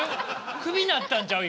クビになったんちゃうん？